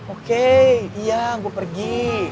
oke iya gue pergi